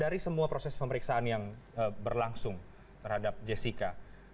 dari semua proses pemeriksaan yang berlangsung terhadap jessica